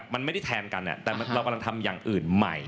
มันไม่ได้แทนกันแต่เรากำลังทำอย่างอื่นใหม่